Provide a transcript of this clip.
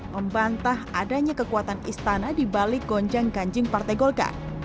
membantah adanya kekuatan istana di balik gonjang ganjing partai golkar